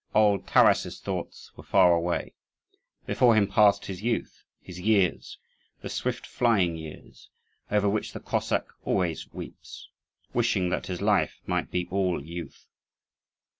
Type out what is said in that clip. Old Taras's thoughts were far away: before him passed his youth, his years the swift flying years, over which the Cossack always weeps, wishing that his life might be all youth.